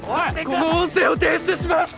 この音声を提出します！